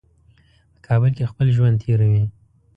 په کابل کې خپل ژوند تېروي.